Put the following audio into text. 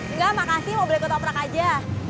enggak makasih mau beli ketoprak aja